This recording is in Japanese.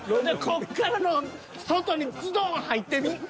こっからの外にズドーン入ってみ。